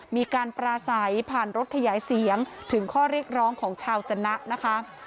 มีการปราศัยผ่านรถขยายเสียงถึงข้อเรียกร้องของชาวจนะนะคะ